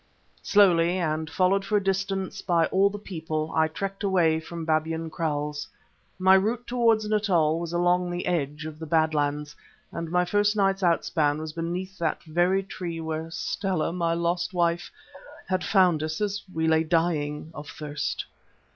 Slowly, and followed for a distance by all the people, I trekked away from Babyan Kraals. My route towards Natal was along the edge of the Bad Lands, and my first night's outspan was beneath that very tree where Stella, my lost wife, had found us as we lay dying of thirst.